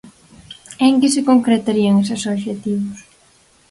E en que se concretarían eses obxectivos?